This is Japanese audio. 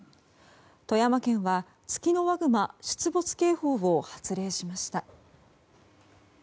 富山県はツキノワグマ出没警報を発令しました。